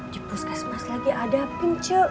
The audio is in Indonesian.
di puskesmas lagi ada pun cu